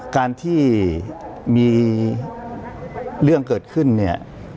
การที่มีเรื่องเกิดขึ้นเนี่ย